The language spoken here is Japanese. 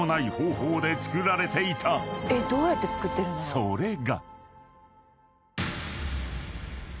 ［それが］